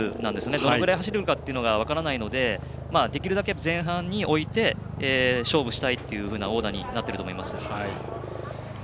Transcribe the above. どれだけ走れるか分からないのでできるだけ前半に置いて勝負したいというオーダーになっていると思います。